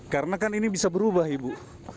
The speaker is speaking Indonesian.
karena kan ini bisa berubah ibu